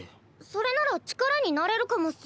それなら力になれるかもっス。